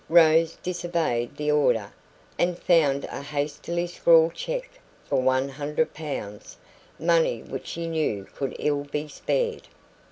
Rose disobeyed the order, and found a hastily scrawled cheque for one hundred pounds money which she knew could ill be spared.